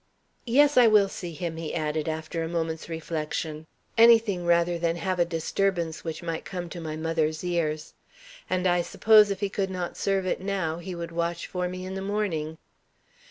"Yes, I will see him," he added after a moment's reflection. "Anything rather than have a disturbance which might come to my mother's ears. And I suppose if he could not serve it now, he would watch for me in the morning."